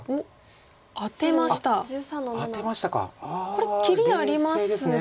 これ切りありますが。